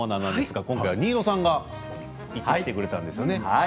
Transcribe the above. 今回は新納さんが行ってきてくれたんですね。